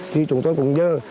thì chúng tôi cũng nhờ